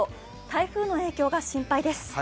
台風の影響が心配です。